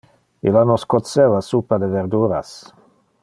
Illa nos coceva suppa de verduras.